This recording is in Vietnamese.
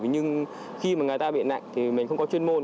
nhưng khi mà người ta bị nặng thì mình không có chuyên môn